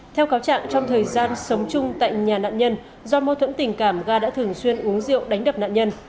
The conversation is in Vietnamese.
theo cáo trạng trong thời gian sống chung tại nhà nạn nhân do mâu thuẫn tình cảm ga đã thường xuyên uống rượu đánh đập nạn nhân